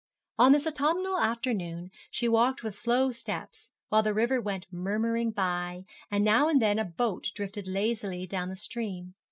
On this autumnal afternoon she walked with slow steps, while the river went murmuring by, and now and then a boat drifted lazily down the stream.